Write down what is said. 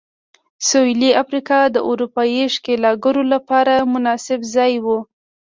سوېلي افریقا د اروپايي ښکېلاکګرو لپاره مناسب ځای و.